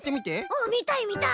うんみたいみたい。